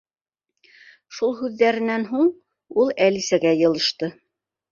Шул һүҙҙәренән һуң ул Әлисәгә йылышты.